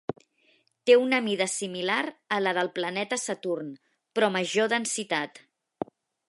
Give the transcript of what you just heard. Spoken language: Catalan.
Té una mida similar a la del planeta Saturn, però major densitat.